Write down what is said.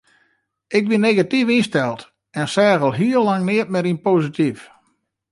Ik wie negatyf ynsteld en seach al heel lang neat mear posityf.